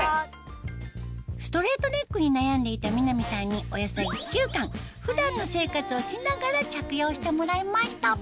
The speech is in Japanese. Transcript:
ストレートネックに悩んでいた見浪さんにおよそ１週間普段の生活をしながら着用してもらいました